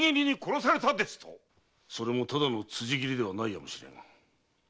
それもただの辻斬りではないやもしれぬ。